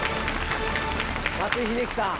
松井秀喜さん。